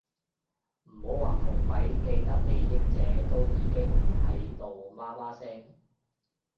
唔好話窮鬼，既得利益者都已經喺度媽媽聲